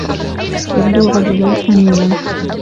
يبدو رجلا أمينا.